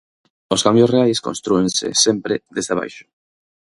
Os cambios reais constrúense, sempre, desde abaixo.